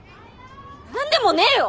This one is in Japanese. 何でもねえよ！